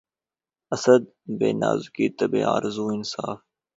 اسد! بہ نازکیِ طبعِ آرزو انصاف